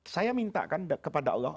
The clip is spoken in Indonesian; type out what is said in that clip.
saya minta kan kepada allah